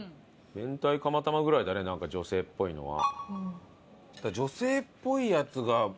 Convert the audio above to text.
明太釜玉ぐらいだねなんか女性っぽいのは。